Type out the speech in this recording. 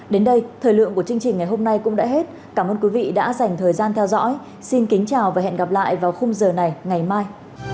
đến đây thời lượng của chương trình ngày hôm nay cũng đã hết cảm ơn quý vị đã dành thời gian theo dõi xin kính chào và hẹn gặp lại vào khung giờ này ngày mai